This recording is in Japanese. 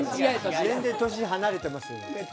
全然年が離れています。